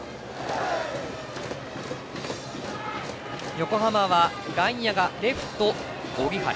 横浜は外野がレフト、荻原。